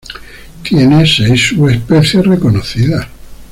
Tiene seis subespecies reconocidas.